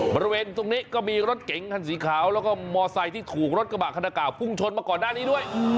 บริเวณตรงนี้ก็มีรถเก๋งคันสีขาวแล้วก็มอไซค์ที่ถูกรถกระบะคันเก่าพุ่งชนมาก่อนหน้านี้ด้วย